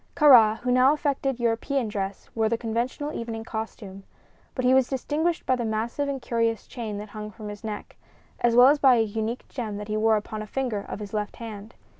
Kāra, who now affected European dress, wore the conventional evening costume; but he was distinguished by the massive and curious chain that hung from his neck, as well as by a unique gem that he wore upon a finger of his left hand.